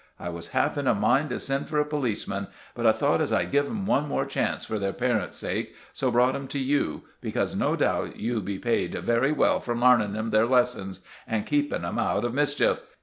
I was half in a mind to send for a policeman; but I thought as I'd give 'em one more chance for their parents' sakes, so brought 'em to you, because no doubt you be paid very well for larning 'em their lessons and keeping 'em out of mischief.